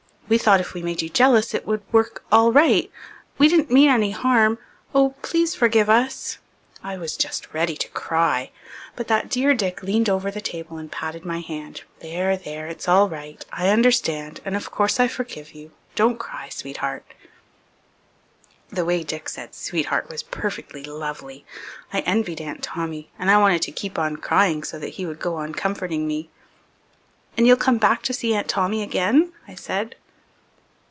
We thought if we made you jealous it would work all right. We didn't mean any harm. Oh, please forgive us!" I was just ready to cry. But that dear Dick leaned over the table and patted my hand. "There, there, it's all right. I understand and of course I forgive you. Don't cry, sweetheart." The way Dick said "sweetheart" was perfectly lovely. I envied Aunt Tommy, and I wanted to keep on crying so that he would go on comforting me. "And you'll come back to see Aunt Tommy again?" I said.